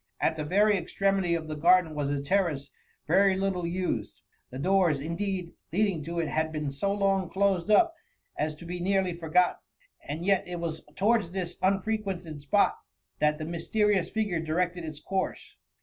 At the ex*^ tremity of the garden was a terrace very little used ; the door, indeed, leading to it had been so long closed up, as to be nearly forgotten, and yet it was towards this unfrequented spot that TBB XVIOIY. S07 tibe mystenous figure directed its course.